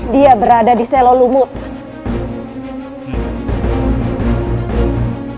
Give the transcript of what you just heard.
dia berada di selol lumutan